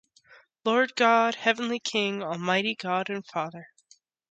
Lord God, heavenly King, almighty God and Father